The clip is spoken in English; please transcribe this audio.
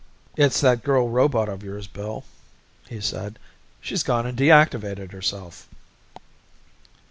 "It's that girl robot of yours, Bill," he said. "She's gone and deactivated herself."